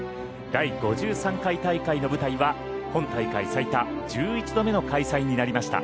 第５３回大会の舞台は本大会最多１１度目の開催になりました